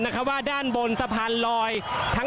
กดลงมา